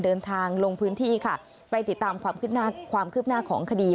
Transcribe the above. เดินทางลงพื้นที่ค่ะไปติดตามความคืบหน้าของคดี